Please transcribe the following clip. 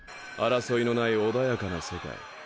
争いのない穏やかな世界。